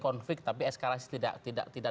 konflik tapi eskalasi tidak tidak tidak